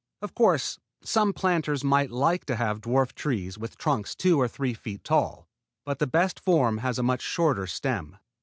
Of course, some planters might like to have dwarf trees with trunks two or three feet tall, but the best form has a much shorter stem.